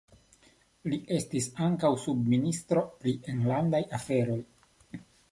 Li estis ankaŭ subministro pri enlandaj aferoj.